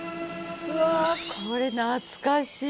うわっこれ懐かしい。